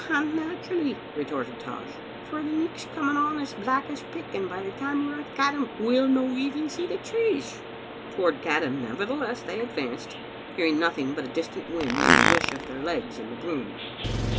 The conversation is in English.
"And naturally," retorted Tosh, "for the nichfs coming on as black as pick, and by the time we're at Caddam we'll no even see the trees." Toward Caddam, nevertheless, they advanced, hear ing nothing but a distant wind and llie whish of their legs in the broom.